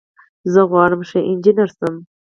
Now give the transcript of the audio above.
زه غواړم ښه انجنیر شم.